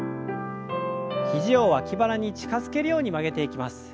肘を脇腹に近づけるように曲げていきます。